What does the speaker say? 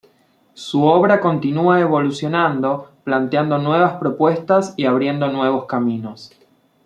Su obra continúa evolucionando, planteando nuevas propuestas y abriendo nuevos caminos.